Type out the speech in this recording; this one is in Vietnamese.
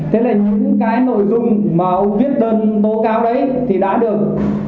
thế là những cái nội dung mà ông viết đơn tố cáo đấy thì đã được